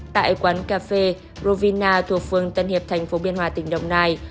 tại quán cà phê rovina thuộc phương tân hiệp tp biên hòa tỉnh đồng nai